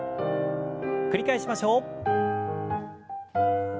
繰り返しましょう。